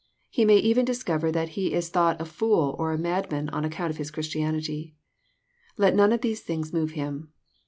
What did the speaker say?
He may even discover that he is thought a fool or a madman on account of his Christianity. Let none of these things move him.